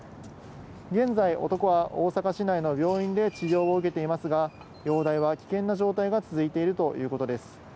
現在、男は大阪市内の病院で治療を受けていますが、容体は危険な状態が続いているということです。